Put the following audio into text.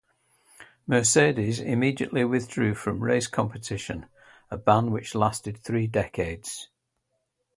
Mercedes immediately withdrew from race competition, a ban which lasted three decades.